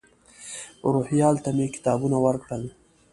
روهیال ته مې کتابونه ورکړل.